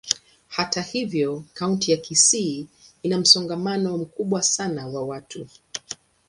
Hata hivyo, kaunti ya Kisii ina msongamano mkubwa sana wa watu.